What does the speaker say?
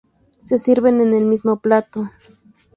Se sirven en el mismo plato.